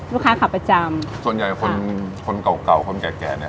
ลูกค้าขับประจำส่วนใหญ่คนเก่าคนแก่เนี่ย